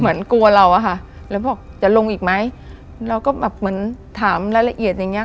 เหมือนกลัวเราอะค่ะแล้วบอกจะลงอีกไหมเราก็แบบเหมือนถามรายละเอียดอย่างเงี้